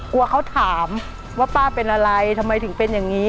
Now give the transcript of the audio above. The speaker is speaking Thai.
กลัวเขาถามว่าป้าเป็นอะไรทำไมถึงเป็นอย่างนี้